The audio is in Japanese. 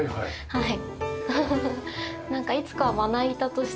はい。